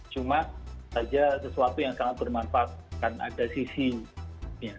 cuma saja sesuatu yang sangat bermanfaat dan ada sisinya